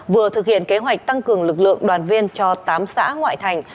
vừa thực hiện kế hoạch tăng cường lực lượng đoàn viên cho tám xã ngoại thành